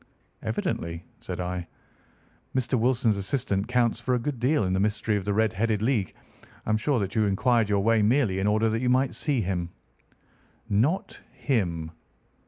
"Evidently," said I, "Mr. Wilson's assistant counts for a good deal in this mystery of the Red headed League. I am sure that you inquired your way merely in order that you might see him." "Not him."